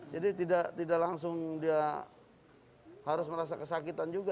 jadi tidak langsung dia harus merasa kesakitan juga